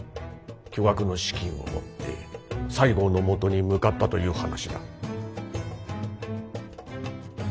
巨額の資金を持って西郷のもとに向かったという話だ。